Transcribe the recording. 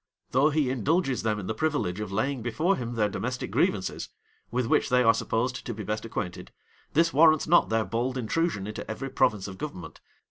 Though he indulges them in the privilege of laying before him their domestic grievances, with which they are supposed to be best acquainted, this warrants not their bold intrusion into every province of government.